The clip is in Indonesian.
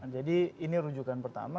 jadi ini rujukan pertama